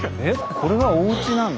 これがおうちなの？